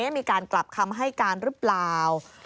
มีการกลับคำให้การหรือเปล่า